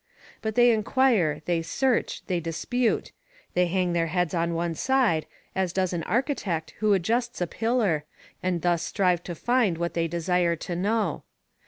But they inquire, they search, they dispute; they hang their heads on one side, as does an architect who adjusts a pillar, and thus strive to find what they desire to know.